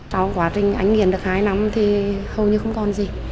sau quá trình anh nghiện được hai năm thì hầu như không còn gì